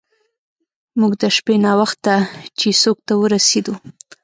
موږ د شپې ناوخته چیسوک ته ورسیدو.